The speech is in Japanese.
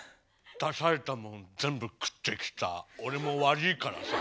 出されたもん全部食ってきた俺も悪いからさ。